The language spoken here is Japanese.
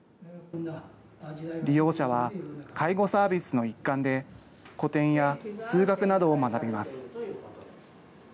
利用者は介護サービスの一環で、古典や数学などを学びます。